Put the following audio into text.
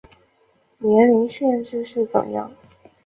年龄限制是怎样